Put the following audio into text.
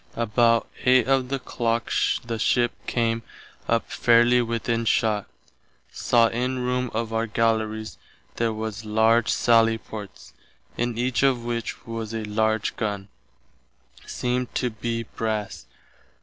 About 8 of the clock the ship came up fairely within shott. Saw in room of our Gallerys there was large sally ports, in each of which was a large gunn, seemed to be brass.